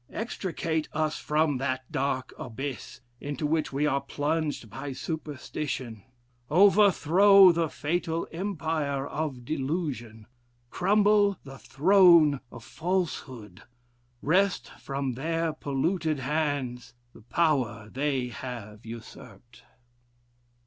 Extricate us from that dark abyss into which we are plunged by superstition, overthrow the fatal empire of delusion, crumble the throne of falsehood, wrest from their polluted hands the power they have usurped."